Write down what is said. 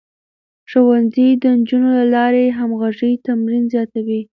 ښوونځی د نجونو له لارې د همغږۍ تمرين زياتوي.